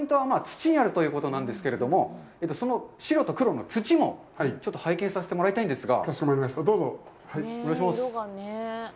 じゃあポイントは土にあるということなんですけれども、その白と黒の土もちょっと拝見させてもらいたいんですが。